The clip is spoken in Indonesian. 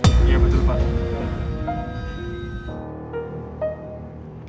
iya betul pak